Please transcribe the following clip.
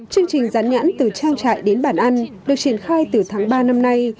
chương trình rán nhãn từ trang trại đến bản ăn được triển khai từ tháng ba năm nay